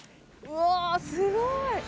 うわすごい！